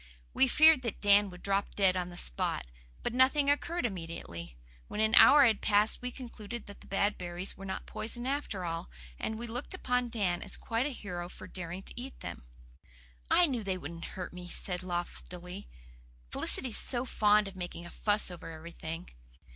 We feared that Dan would drop dead on the spot. But nothing occurred immediately. When an hour had passed we concluded that the bad berries were not poison after all, and we looked upon Dan as quite a hero for daring to eat them. "I knew they wouldn't hurt me," he said loftily. "Felicity's so fond of making a fuss over everything."